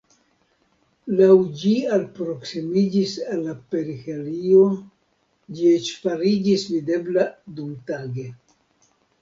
Laŭ ĝi alproksimiĝis al la perihelio ĝi eĉ fariĝis videbla dumtage.